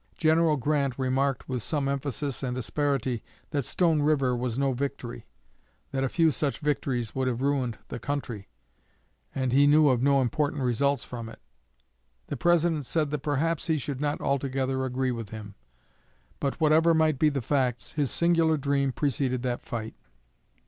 General Grant remarked, with some emphasis and asperity, that Stone River was no victory that a few such victories would have ruined the country, and he knew of no important results from it. The President said that perhaps he should not altogether agree with him, but whatever might be the facts his singular dream preceded that fight.